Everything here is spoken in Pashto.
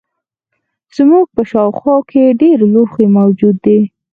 زموږ په شاوخوا کې ډیر لوښي موجود دي.